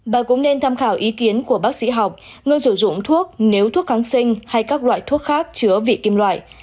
bà cũng nên tham khảo ý kiến của bác sĩ học người sử dụng thuốc nếu thuốc kháng sinh hay các loại thuốc khác chứa vị kim loại